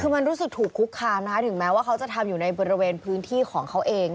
คือมันรู้สึกถูกคุกคามนะคะถึงแม้ว่าเขาจะทำอยู่ในบริเวณพื้นที่ของเขาเอง